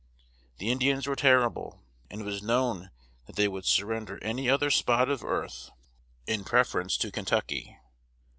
The Indians were terrible; and it was known that they would surrender any other spot of earth in preference to Kentucky.